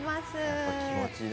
やっぱ気持ちだ。